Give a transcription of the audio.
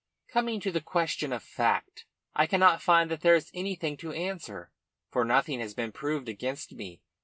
"Coming to the question of fact, I cannot find that there is anything to answer, for nothing has been proved against me.